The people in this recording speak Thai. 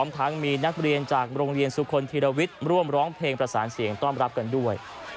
ทั้งมีนักเรียนจากโรงเรียนสุคลธีรวิทย์ร่วมร้องเพลงประสานเสียงต้อนรับกันด้วย